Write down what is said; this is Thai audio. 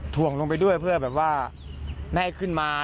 ถ่วงลงไปด้วยเพื่อแบบว่าไม่ให้ขึ้นมา